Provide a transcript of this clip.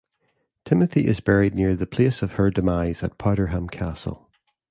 Timothy is buried near the place of her demise at Powderham Castle.